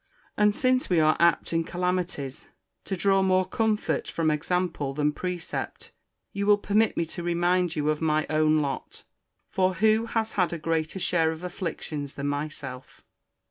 And since we are apt in calamities to draw more comfort from example than precept, you will permit me to remind you of my own lot: For who has had a greater share of afflictions than myself?